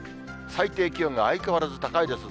最低気温が相変わらず高いです。